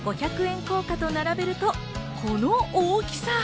硬貨と並べると、この大きさ。